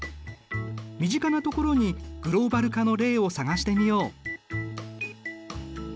身近なところにグローバル化の例を探してみよう。